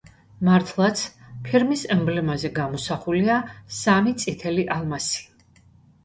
მართლაც, ფირმის ემბლემაზე გამოსახულია სამი წითელი ალმასი.